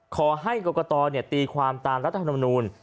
ขอให้กรกตีความตามรัฐพนมนุน